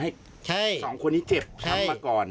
ทำให้สองคนนี้เจ็บทำมาก่อน